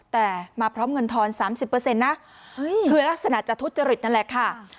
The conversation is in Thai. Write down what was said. แต่มาพร้อมเงินทรรภ์๓๐เปอร์เซ็นต์นะคือลักษณะจะทุจริตนั่นแหละค่ะ